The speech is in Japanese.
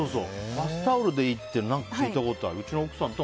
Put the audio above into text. バスタオルでいいって聞いたことある。